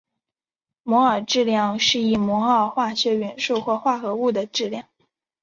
摩尔质量是一摩尔化学元素或者化合物的质量。